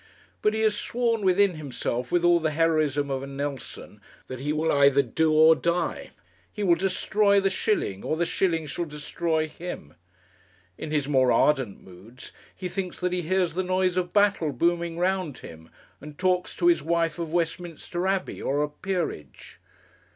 But he has sworn within himself, with all the heroism of a Nelson, that he will either do or die. He will destroy the shilling or the shilling shall destroy him. In his more ardent moods he thinks that he hears the noise of battle booming round him, and talks to his wife of Westminster Abbey or a peerage.